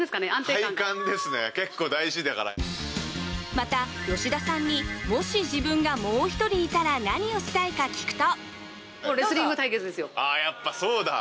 また、吉田さんにもし自分がもう１人いたら何をしたいか聞くと。